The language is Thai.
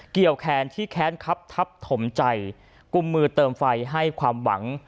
แค้นที่แค้นครับทับถมใจกุมมือเติมไฟให้ความหวัง